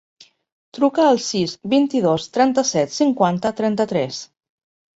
Truca al sis, vint-i-dos, trenta-set, cinquanta, trenta-tres.